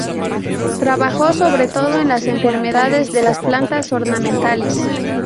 Trabajó sobre todo en las enfermedades de las plantas ornamentales.